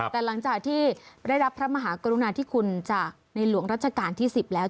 แต่หลังจากที่ได้รับพระมหากรุณาธิคุณจากในหลวงรัชกาลที่๑๐แล้ว